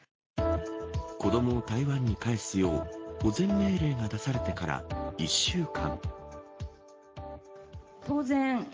子どもを台湾に帰すよう保全命令が出されてから１週間。